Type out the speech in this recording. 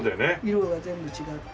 色が全部違って。